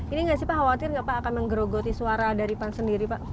ini nggak sih pak khawatir nggak pak akan menggerogoti suara dari pan sendiri pak